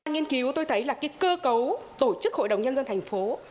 nghiên cứu tôi thấy là cái cơ cấu tổ chức hội đồng nhân dân thành phố